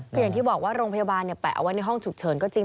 ก็อย่างที่บอกว่าโรงพยาบาลแปะเอาไว้ในห้องฉุกเฉินก็จริง